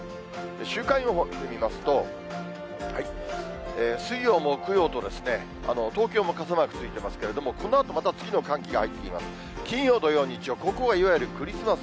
週間予報見てみますと、水曜、木曜と、東京も傘マークついてますけれども、このあとまた次の寒気が入ってきます。